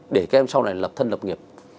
để các em sau này lập thân lập nghiệp